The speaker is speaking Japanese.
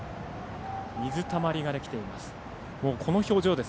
水たまりができています。